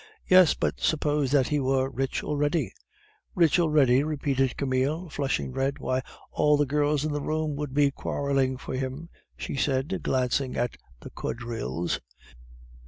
"Yes, but suppose that he were rich already?" "Rich already?" repeated Camille, flushing red. "Why all the girls in the room would be quarreling for him," she said, glancing at the quadrilles.